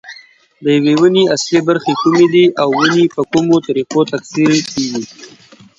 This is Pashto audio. د یوې ونې اصلي برخې کومې دي او ونې په کومو طریقو تکثیر کېږي.